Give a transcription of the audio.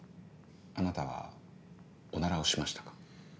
あなたはおならをしましたか？